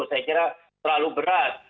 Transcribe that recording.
saya kira terlalu berat